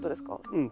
うん。